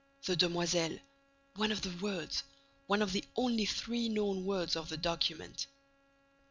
The Demoiselles! One of the words, one of the only three known words of the document!